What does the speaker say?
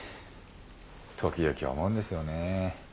時々思うんですよね。